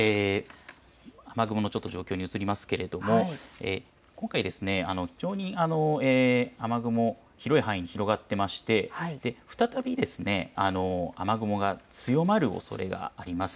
雨雲の状況に移りますが今回、非常に雨雲広い範囲に広がっていまして再び雨雲が強まるおそれがあります。